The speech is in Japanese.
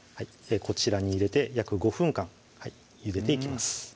こちらに入れて約５分間ゆでていきます